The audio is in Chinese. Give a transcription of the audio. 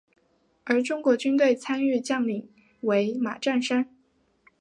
而中国军队参与将领为马占山。